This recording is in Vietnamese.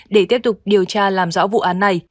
để tiếp tục điều tra làm rõ vụ án này